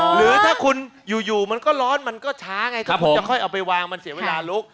หรือถ้าคุณอยู่มันก็ร้อนมันก็ช้าไงครับผมจะค่อยเอาไปวางมันเสียเวลาลุก